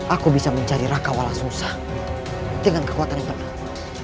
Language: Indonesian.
aku bisa mencari raka walasusa dengan kekuatan yang tenang